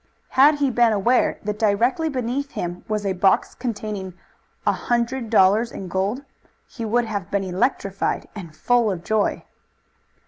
Had he been aware that directly beneath him was a box containing a hundred dollars in gold he would have been electrified and full of joy.